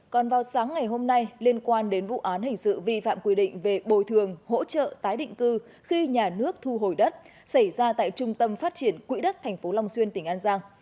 còn vào sáng ngày hôm nay liên quan đến vụ án hình sự vi phạm quy định về bồi thường hỗ trợ tái định cư khi nhà nước thu hồi đất xảy ra tại trung tâm phát triển quỹ đất tp long xuyên tỉnh an giang